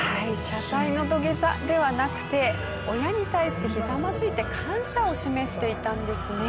謝罪の土下座ではなくて親に対してひざまずいて感謝を示していたんですね。